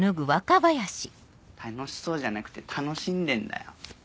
楽しそうじゃなくて楽しんでんだよ。